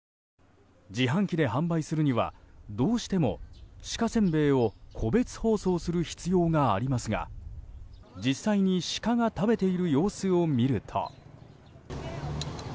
自販機で販売するにはどうしても鹿せんべいを個別包装する必要がありますが実際に、シカが食べている様子を見ると。